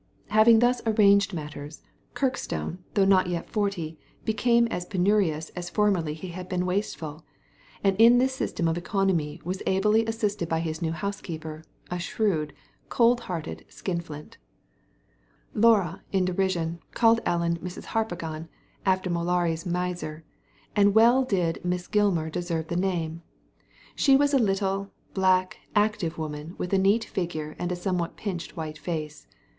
Having thus arranged matters, Kirkstone — though not yet forty — became as penurious as formerly he Digitized by Google THE CRIME OF KIRKSTONE HALL 57 had been wasteful ; and in this system of economy was ably assisted by his new housekeeper, a shrewd, cold hearted skinflint Laura, in derision, called Ellen Mrs. Harpagon, after Moliire's miser; and well did Miss Gilmar deserve the name. She was a little/ black, active woman, with a neat figure and a somewhat pinched white face.